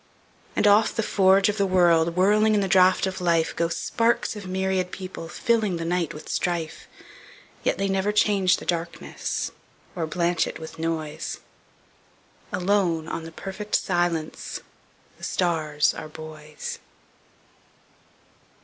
And off the forge of the world, Whirling in the draught of life, Go sparks of myriad people, fillingThe night with strife. Yet they never change the darknessOr blench it with noise; Alone on the perfect silenceThe stars are buoys.